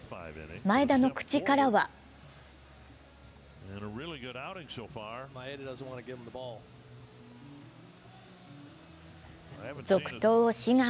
前田の口からは続投を志願。